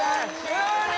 終了！